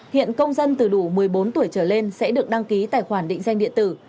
hiện công dân từ đủ một mươi bốn tuổi trở lên sẽ được đăng ký tài khoản định danh điện tử